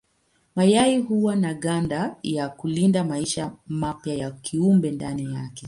Mayai huwa na ganda ya kulinda maisha mapya ya kiumbe ndani yake.